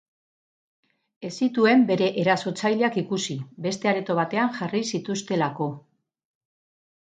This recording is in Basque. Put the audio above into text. Ez zituen bere erasotzaileak ikusi, beste areto batean jarri zituztelako.